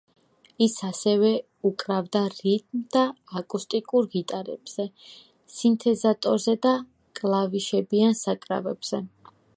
ის ასევე უკრავდა რითმ და აკუსტიკურ გიტარებზე, სინთეზატორზე და კლავიშებიან საკრავებზე.